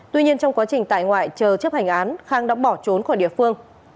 tuy nhiên trong quá trình tại ngoại chờ chấp hành án khang đã bỏ trốn khỏi địa phương